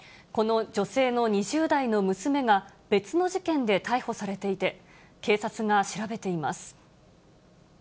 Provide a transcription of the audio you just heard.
この女性の２０代の娘が、別の事件で逮捕されていて、警察が調べています。